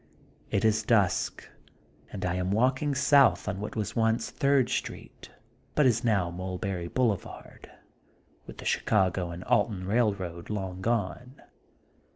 It is dusk, and I a;m walking South on what was once Third Street, but is now Mulberry Boulevard, with the Chi cago and Alton railroad long gone.